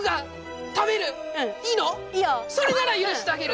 それなら許してあげる。